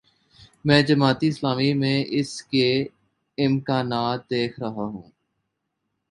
میں جماعت اسلامی میں اس کے امکانات دیکھ رہا ہوں۔